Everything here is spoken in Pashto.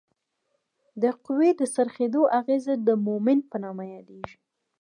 د قوې د څرخیدو اغیزه د مومنټ په نامه یادیږي.